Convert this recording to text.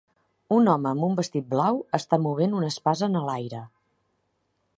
Un home amb un vestit blau està movent una espasa en l'aire.